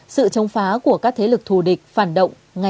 sự chống phá của các thế lực thù địch phản động